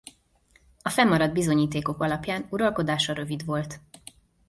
A fennmaradt bizonyítékok alapján uralkodása rövid volt.